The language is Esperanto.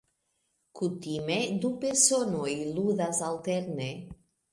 Kutime, du personoj ludas alterne.